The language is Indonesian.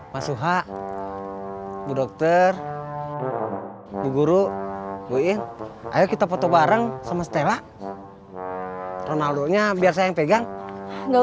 masuk ha ha dokter guru guru kita foto bareng sama stella ronaldo nya biar saya pegang enggak